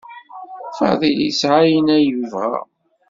Fadil yesɛa ayen ay yebɣa.